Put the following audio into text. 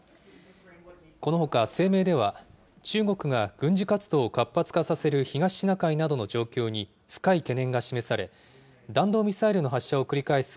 このほか、声明では、中国が軍事活動を活発化させる東シナ海などの状況に深い懸念が示され、弾道ミサイルの発射を繰り返す